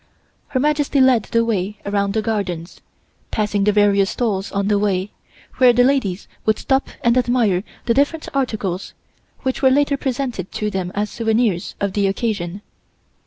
Her Majesty led the way around the gardens, passing the various stalls on the way, where the ladies would stop and admire the different articles, which were later presented to them as souvenirs of the occasion.